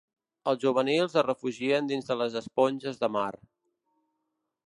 Els juvenils es refugien dins de les esponges de mar.